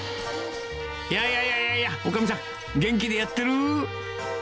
いやいやいやいや、おかみさん、元気でやってる？